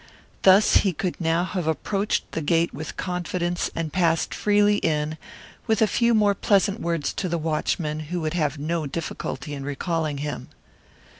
Thus he could now have approached the gate with confidence and passed freely in, with a few more pleasant words to the watchman who would have no difficulty in recalling him.